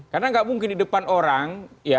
karena gak mungkin di depan orang